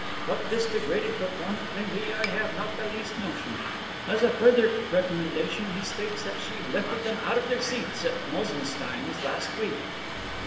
What this degraded performance may be I have not the least notion. As a further recommendation he states that she lifted them out of their seats at Mosenstein's last week.